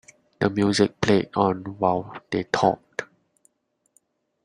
The music played on while they talked.